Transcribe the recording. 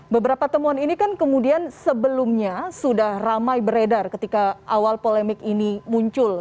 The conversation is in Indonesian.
beberapa temuan ini kan kemudian sebelumnya sudah ramai beredar ketika awal polemik ini muncul